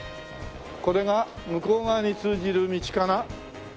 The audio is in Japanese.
これが向こう側に通じる道かな？